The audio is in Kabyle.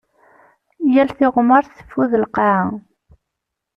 Yal tiɣmert teffud lqaɛa.